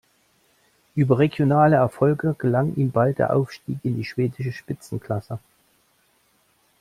Über regionale Erfolge gelang ihm bald der Aufstieg in die schwedische Spitzenklasse.